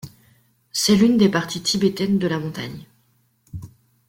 C'est l'une des parties tibétaines de la montagne.